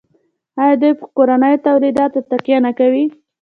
آیا دوی په کورنیو تولیداتو تکیه نه کوي؟